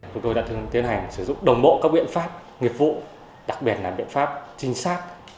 chúng tôi đã thường tiến hành sử dụng đồng bộ các biện pháp nghiệp vụ đặc biệt là biện pháp chính xác